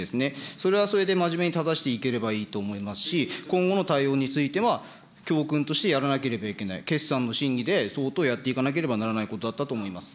それはそれで真面目に正していければいいと思いますし、今後の対応については、教訓としてやらなければいけない、決算の審議で相当やっていかなければいけないことだったと思います。